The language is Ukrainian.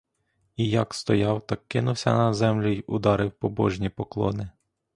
І як стояв, так кинувся на землю й ударив побожні поклони.